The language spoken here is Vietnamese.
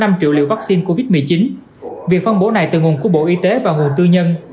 tp hcm có năm triệu liều vaccine covid một mươi chín việc phân bố này từ nguồn của bộ y tế và nguồn tư nhân